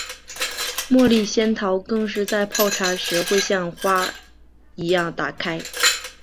茉莉仙桃更是在泡茶时会像花一样打开。